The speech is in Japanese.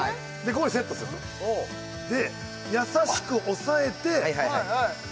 ここにセットするとで優しく押さえていけ！